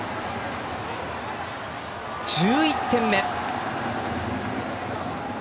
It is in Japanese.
１１点目！